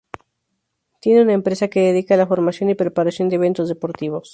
Tiene una empresa que dedica a la formación y preparación de eventos deportivos.